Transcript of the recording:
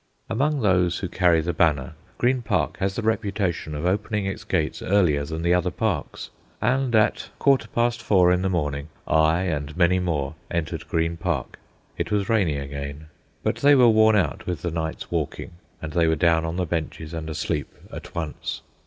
'" Among those who carry the banner, Green Park has the reputation of opening its gates earlier than the other parks, and at quarter past four in the morning, I, and many more, entered Green Park. It was raining again, but they were worn out with the night's walking, and they were down on the benches and asleep at once.